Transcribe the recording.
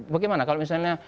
bagaimana kalau misalnya